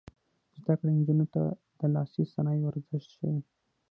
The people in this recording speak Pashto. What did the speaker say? زده کړه نجونو ته د لاسي صنایعو ارزښت ښيي.